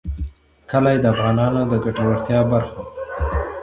کلي د افغانانو د ګټورتیا برخه ده.